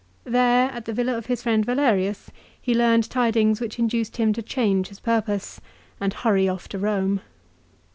There, at the villa of his friend Valerius, he learned tidings which induced him to change his purpose and hurry off to Eome.